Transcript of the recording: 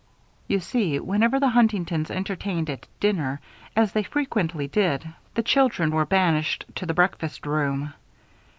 You see, whenever the Huntingtons entertained at dinner, as they frequently did, the children were banished to the breakfast room.